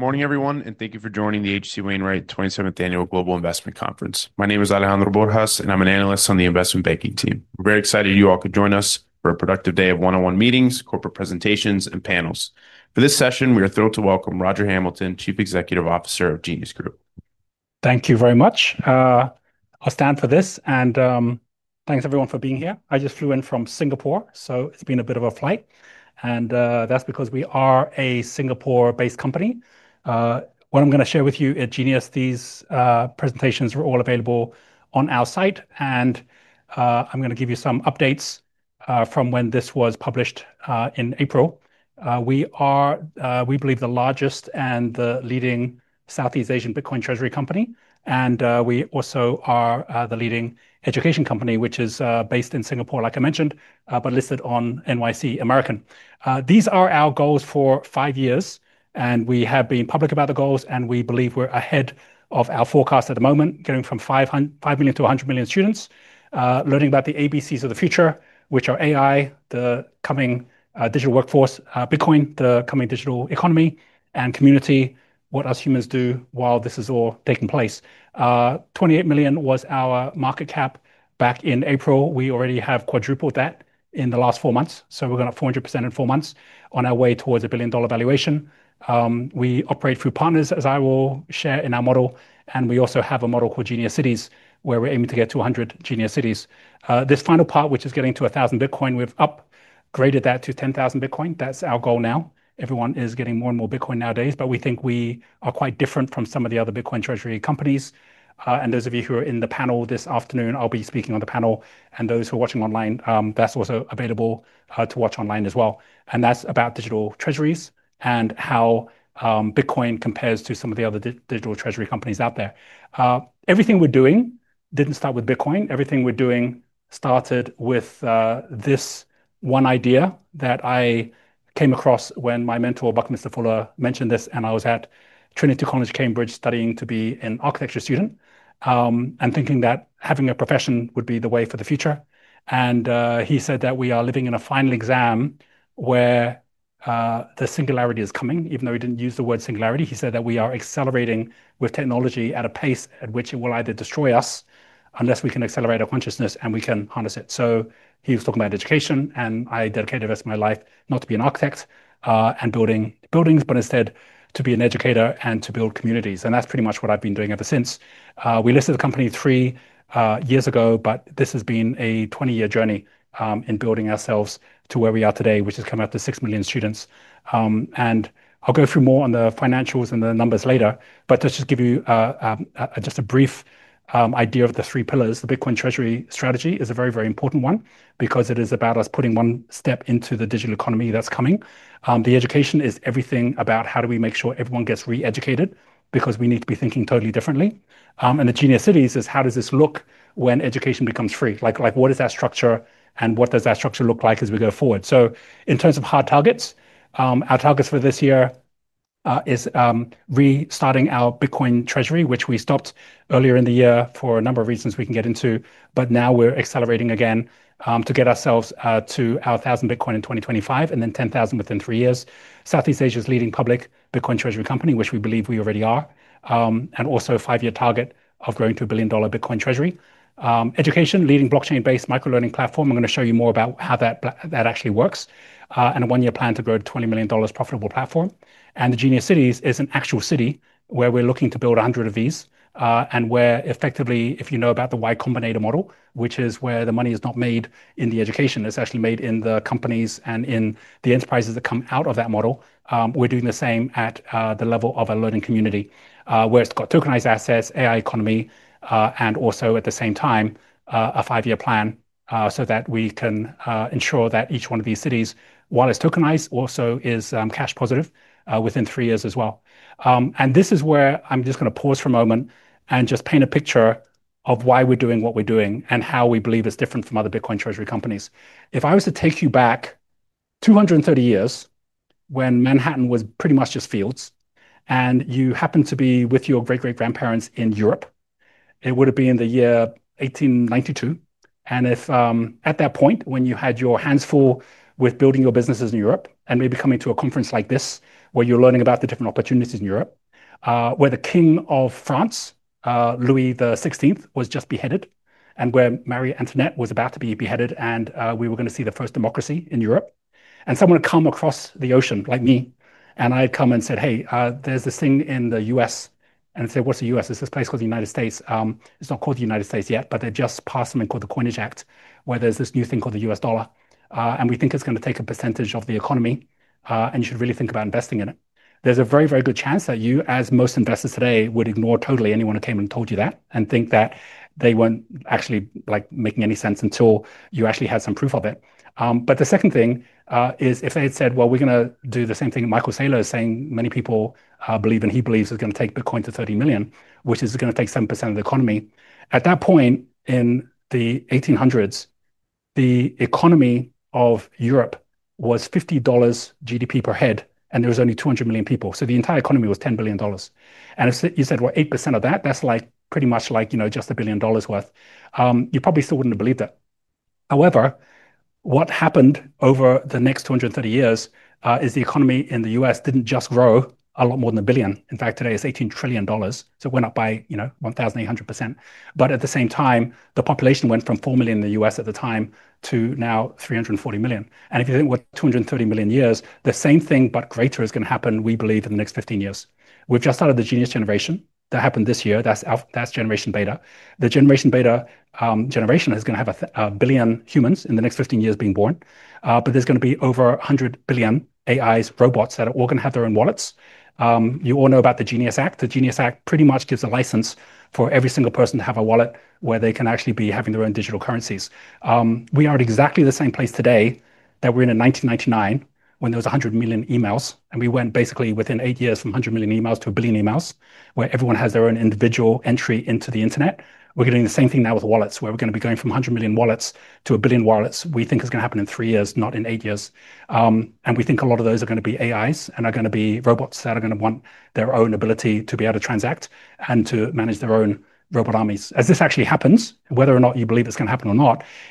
Morning everyone, and thank you for joining the HC Wainwright 27th Annual Global Investment Conference. My name is Alejandro Borjas, and I'm an analyst on the Investment Banking team. We're very excited you all could join us for a productive day of one-on-one meetings, corporate presentations, and panels. For this session, we are thrilled to welcome Roger Hamilton, Chief Executive Officer of Genius Group. Thank you very much. I'll stand for this. Thanks, everyone, for being here. I just flew in from Singapore, so it's been a bit of a flight. That's because we are a Singapore-based company. What I'm going to share with you at Genius, these presentations are all available on our site. I'm going to give you some updates from when this was published in April. We are, we believe, the largest and the leading Southeast Asian Bitcoin Treasury company. We also are the leading education company, which is based in Singapore, like I mentioned, but listed on NYSE American. These are our goals for five years. We have been public about the goals. We believe we're ahead of our forecast at the moment, going from 5 million to 100 million students, learning about the ABCs of the future, which are AI, the coming digital workforce, Bitcoin, the coming digital economy, and community, what us humans do while this is all taking place. $28 million was our market cap back in April. We already have quadrupled that in the last four months. We're going up 400% in four months on our way towards a billion-dollar valuation. We operate through partners, as I will share, in our model. We also have a model called Genius City, where we're aiming to get 200 Genius Cities. This final part, which is getting to 1,000 Bitcoin, we've upgraded that to 10,000 Bitcoin. That's our goal now. Everyone is getting more and more Bitcoin nowadays. We think we are quite different from some of the other Bitcoin Treasury companies. Those of you who are in the panel this afternoon, I'll be speaking on the panel. Those who are watching online, that's also available to watch online as well. That's about digital treasuries and how Bitcoin compares to some of the other digital treasury companies out there. Everything we're doing didn't start with Bitcoin. Everything we're doing started with this one idea that I came across when my mentor, Buckminster Fuller, mentioned this. I was at Trinity College, Cambridge, studying to be an architecture student and thinking that having a profession would be the way for the future. He said that we are living in a final exam where the singularity is coming. Even though he didn't use the word singularity, he said that we are accelerating with technology at a pace at which it will either destroy us unless we can accelerate our consciousness and we can harness it. He was talking about education. I dedicated the rest of my life not to be an architect and building buildings, but instead to be an educator and to build communities. That's pretty much what I've been doing ever since. We listed the company three years ago. This has been a 20-year journey in building ourselves to where we are today, which has come out to 6 million students. I'll go through more on the financials and the numbers later. Just to give you a brief idea of the three pillars, the Bitcoin Treasury strategy is a very, very important one because it is about us putting one step into the digital economy that's coming. The education is everything about how do we make sure everyone gets re-educated because we need to be thinking totally differently. The Genius Cities is how does this look when education becomes free. What is our structure, and what does our structure look like as we go forward? In terms of hard targets, our targets for this year are restarting our Bitcoin Treasury, which we stopped earlier in the year for a number of reasons we can get into. Now we're accelerating again to get ourselves to our 1,000 Bitcoin in 2025 and then 10,000 within three years. Southeast Asia's leading public Bitcoin Treasury company, which we believe we already are, and also a five-year target of growing to a $1 billion Bitcoin Treasury. Education, leading blockchain-based microlearning platform. I'm going to show you more about how that actually works. A one-year plan to grow to a $20 million profitable platform. The Genius Cities is an actual city where we're looking to build 100 of these, and where effectively, if you know about the Y Combinator model, which is where the money is not made in the education, it's actually made in the companies and in the enterprises that come out of that model. We're doing the same at the level of a learning community, where it's got tokenized assets, AI economy, and also at the same time, a five-year plan so that we can ensure that each one of these cities, while it's tokenized, also is cash positive within three years as well. I'm just going to pause for a moment and just paint a picture of why we're doing what we're doing and how we believe it's different from other Bitcoin Treasury companies. If I was to take you back 230 years, when Manhattan was pretty much just fields, and you happened to be with your great-great-grandparents in Europe, it would have been the year 1892. If at that point, when you had your hands full with building your businesses in Europe and maybe coming to a conference like this, where you're learning about the different opportunities in Europe, where the King of France, Louis XVI, was just beheaded, and where Marie Antoinette was about to be beheaded, and we were going to see the first democracy in Europe, and someone had come across the ocean like me. I had come and said, hey, there's this thing in the U.S. I said, what's the U.S.? It's this place called the United States. It's not called the United States yet, but they just passed something called the Coinage Act, where there's this new thing called the U.S. dollar. We think it's going to take a percentage of the economy, and you should really think about investing in it. There's a very, very good chance that you, as most investors today, would totally ignore anyone who came and told you that and think that they weren't actually making any sense until you actually had some proof of it. The second thing is if they had said, we're going to do the same thing Michael Saylor is saying many people believe and he believes is going to take Bitcoin to $30 million, which is going to take 7% of the economy. At that point in the 1800s, the economy of Europe was $50 GDP per head, and there were only 200 million people. The entire economy was $10 billion. If you said, 8% of that, that's pretty much just a billion dollars' worth, you probably still wouldn't have believed it. However, what happened over the next 230 years is the economy in the U.S. didn't just grow a lot more than a billion. In fact, today it's $18 trillion. It went up by 1,800%. At the same time, the population went from 4 million in the U.S. at the time to now 340 million. If you think, what, 230 years, the same thing but greater is going to happen, we believe, in the next 15 years. We've just started the Genius Generation. That happened this year. That's Generation Beta. The Generation Beta generation is going to have a billion humans in the next 15 years being born, but there's going to be over 100 billion AIs, robots that are all going to have their own wallets. You all know about the Genius Act. The Genius Act pretty much gives a license for every single person to have a wallet where they can actually be having their own digital currencies. We are at exactly the same place today that we were in 1999 when there were 100 million emails. We went basically within eight years from 100 million emails to a billion emails, where everyone has their own individual entry into the internet. We're doing the same thing now with wallets, where we're going to be going from 100 million wallets to a billion wallets. We think it's going to happen in three years, not in eight years. We think a lot of those are going to be AIs and are going to be robots that are going to want their own ability to be able to transact and to manage their own robot armies. As this actually happens, whether or not you believe it's going to happen,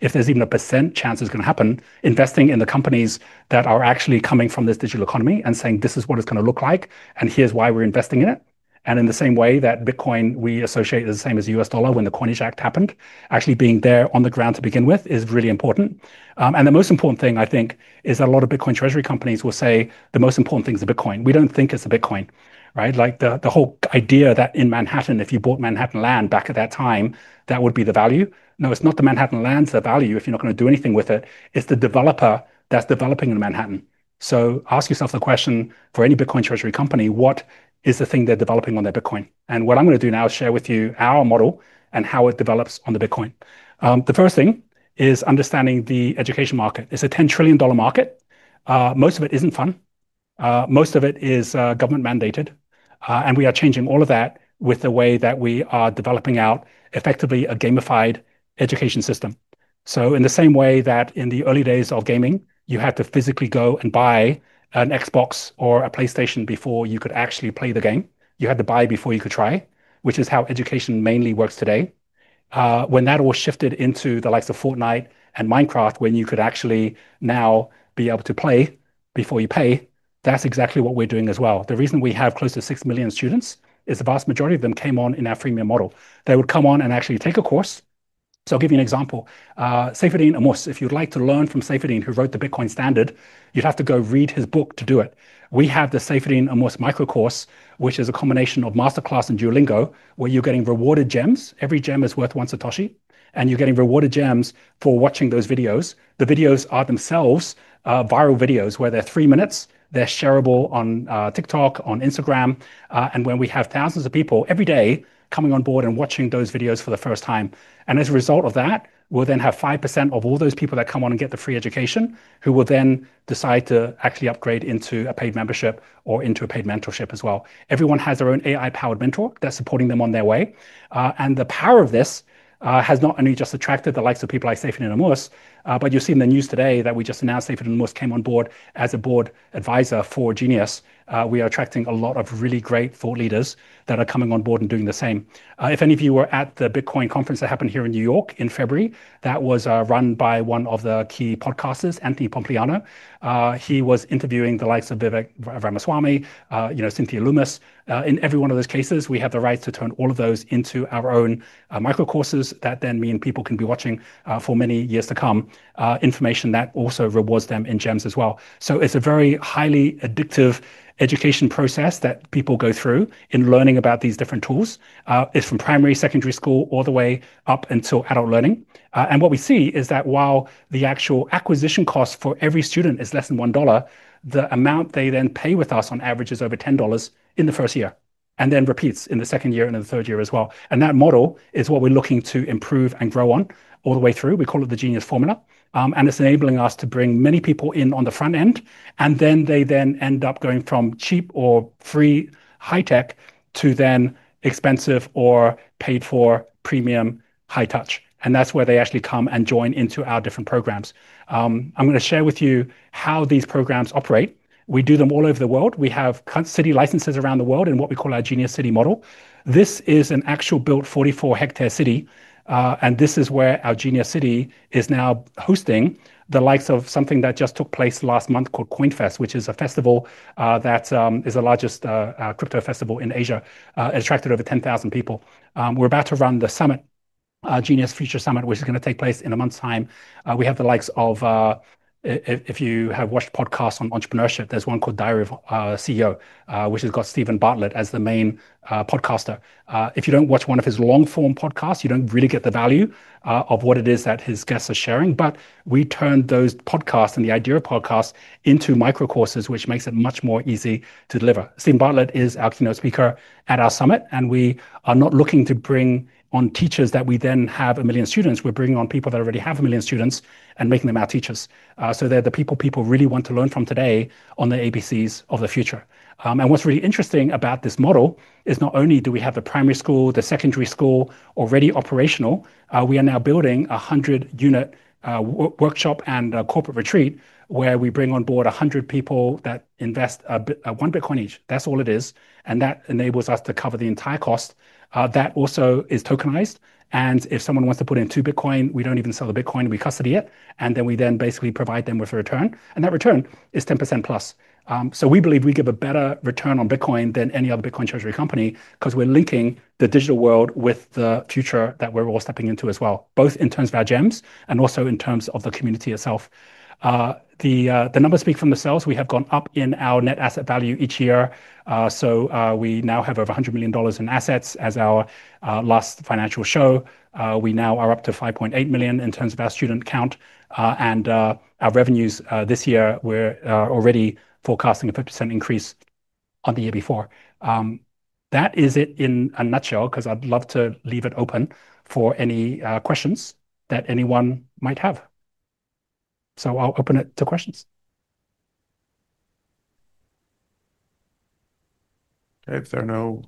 if there's even a % chance it's going to happen, investing in the companies that are actually coming from this digital economy and saying, this is what it's going to look like. Here's why we're investing in it. In the same way that Bitcoin we associate is the same as the U.S. dollar when the Coinage Act happened, actually being there on the ground to begin with is really important. The most important thing, I think, is that a lot of Bitcoin Treasury companies will say the most important thing is the Bitcoin. We don't think it's the Bitcoin. The whole idea that in Manhattan, if you bought Manhattan land back at that time, that would be the value. No, it's not the Manhattan land's the value if you're not going to do anything with it. It's the developer that's developing in Manhattan. Ask yourself the question for any Bitcoin Treasury company, what is the thing they're developing on their Bitcoin? What I'm going to do now is share with you our model and how it develops on the Bitcoin. The first thing is understanding the education market. It's a $10 trillion market. Most of it isn't fun. Most of it is government mandated. We are changing all of that with the way that we are developing out effectively a gamified education system. In the same way that in the early days of gaming, you had to physically go and buy an Xbox or a PlayStation before you could actually play the game, you had to buy before you could try, which is how education mainly works today. When that all shifted into the likes of Fortnite and Minecraft, when you could actually now be able to play before you pay, that's exactly what we're doing as well. The reason we have close to 6 million students is the vast majority of them came on in our freemium model. They would come on and actually take a course. I'll give you an example. Saifedean Ammous, if you'd like to learn from Saifedean who wrote the Bitcoin Standard, you'd have to go read his book to do it. We have the Saifedean Ammous microcourse, which is a combination of MasterClass and Duolingo, where you're getting rewarded gems. Every gem is worth one Satoshi, and you're getting rewarded gems for watching those videos. The videos are themselves viral videos, where they're three minutes. They're shareable on TikTok, on Instagram. We have thousands of people every day coming on board and watching those videos for the first time. As a result of that, we'll then have 5% of all those people that come on and get the free education who will then decide to actually upgrade into a paid membership or into a paid mentorship as well. Everyone has their own AI-powered mentor that's supporting them on their way. The power of this has not only just attracted the likes of people like Saifedean Ammous, but you'll see in the news today that we just announced Saifedean Ammous came on board as a board advisor for Genius Group. We are attracting a lot of really great thought leaders that are coming on board and doing the same. If any of you were at the Bitcoin conference that happened here in New York in February, that was run by one of the key podcasters, Anthony Pompliano. He was interviewing the likes of Vivek Ramaswamy, Cynthia Lummis. In every one of those cases, we have the rights to turn all of those into our own microcourses that then mean people can be watching for many years to come, information that also rewards them in gems as well. It's a very highly addictive education process that people go through in learning about these different tools. It's from primary, secondary school, all the way up until adult learning. What we see is that while the actual acquisition cost for every student is less than $1, the amount they then pay with us on average is over $10 in the first year, and then repeats in the second year and in the third year as well. That model is what we're looking to improve and grow on all the way through. We call it the Genius Formula, and it's enabling us to bring many people in on the front end. They then end up going from cheap or free high-tech to then expensive or paid-for premium high touch, and that's where they actually come and join into our different programs. I'm going to share with you how these programs operate. We do them all over the world. We have city licenses around the world in what we call our Genius City model. This is an actual built 44-hectare city. This is where our Genius City is now hosting the likes of something that just took place last month called Coin Fest, which is a festival that is the largest crypto festival in Asia, attracted over 10,000 people. We're about to run the summit, Genius Future Summit, which is going to take place in a month's time. We have the likes of, if you have watched podcasts on entrepreneurship, there's one called Diary of a CEO, which has got Stephen Bartlett as the main podcaster. If you don't watch one of his long-form podcasts, you don't really get the value of what it is that his guests are sharing. We turned those podcasts and the idea of podcasts into microcourses, which makes it much more easy to deliver. Stephen Bartlett is our keynote speaker at our summit. We are not looking to bring on teachers that we then have a million students. We're bringing on people that already have a million students and making them our teachers. They're the people people really want to learn from today on the ABCs of the future. What's really interesting about this model is not only do we have the primary school, the secondary school already operational, we are now building a 100-unit workshop and corporate retreat where we bring on board 100 people that invest one Bitcoin each. That's all it is. That enables us to cover the entire cost. That also is tokenized. If someone wants to put in two Bitcoin, we don't even sell the Bitcoin. We custody it. We then basically provide them with a return. That return is 10% plus. We believe we give a better return on Bitcoin than any other Bitcoin Treasury company because we're linking the digital world with the future that we're all stepping into as well, both in terms of our gems and also in terms of the community itself. The numbers speak for themselves. We have gone up in our net asset value each year. We now have over $100 million in assets as our last financial show. We now are up to 5.8 million in terms of our student count. Our revenues this year, we're already forecasting a 50% increase on the year before. That is it in a nutshell because I'd love to leave it open for any questions that anyone might have. I'll open it to questions. OK, if there are no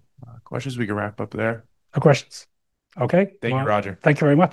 questions, we can wrap up there. No questions. OK, thank you, Roger. Thank you very much.